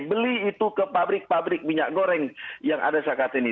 beli itu ke pabrik pabrik minyak goreng yang ada saat ini